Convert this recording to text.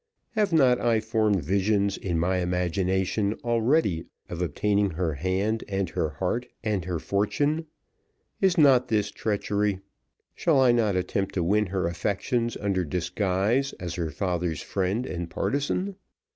Have not I formed visions in my imagination already of obtaining her hand, and her heart, and her fortune? Is not this treachery? Shall I not attempt to win her affections under disguise as her father's friend and partisan?